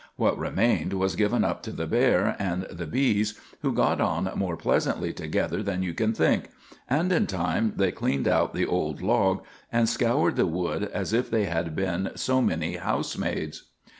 What remained was given up to the bear and the bees, who got on more pleasantly together than you can think; and in time they cleaned out the old log and scoured the wood as if they had been so many housemaids.